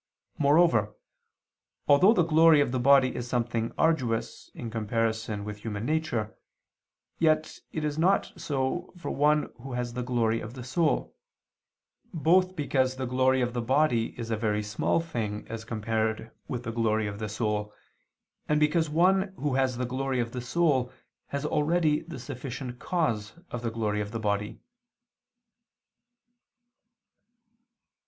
Moreover, although the glory of the body is something arduous in comparison with human nature, yet it is not so for one who has the glory of the soul; both because the glory of the body is a very small thing as compared with the glory of the soul, and because one who has the glory of the soul has already the sufficient cause of the glory of the body.